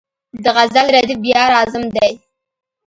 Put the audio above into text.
د غزل ردیف بیا راځم دی.